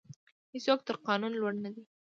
هیڅوک تر قانون لوړ نه دی.